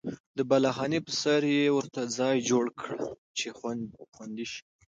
د بالاخانې په سر یې ورته ځای جوړ کړل چې خوندي شي.